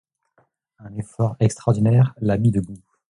Un effort extraordinaire la mit debout.